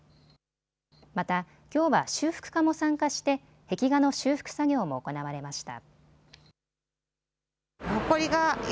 また、きょうは修復家も参加して壁画の修復作業も行われました。